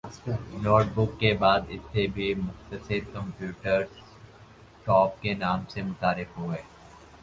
note book کے بعد ان سے بھی مختصر کمپیوٹرز پام ٹوپ کے نام سے متعارف ہوئے